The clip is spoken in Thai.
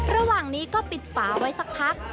ระหว่างนี้ก็ปิดฝาไว้สักพัก